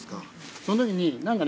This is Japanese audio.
その時に何かね